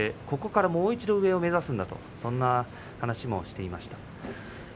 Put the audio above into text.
ここからもう１つ上を目指すんだとそんな話がありました。